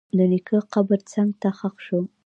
د نیکه قبر څنګ ته ښخ شو.